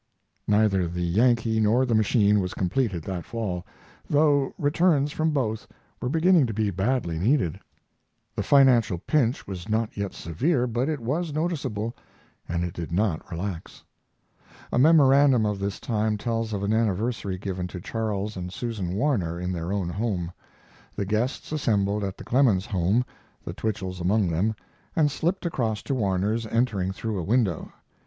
Neither the Yankee nor the machine was completed that fall, though returns from both were beginning to be badly needed. The financial pinch was not yet severe, but it was noticeable, and it did not relax. A memorandum of this time tells of an anniversary given to Charles and Susan Warner in their own home. The guests assembled at the Clemens home, the Twichells among them, and slipped across to Warner's, entering through a window.